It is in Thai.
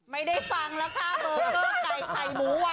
ไม่ได้ฟังแล้วค่ะเบอร์เกอร์ไก่ไข่หมูอ่ะ